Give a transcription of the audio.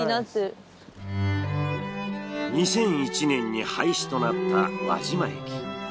２００１年に廃止となった輪島駅。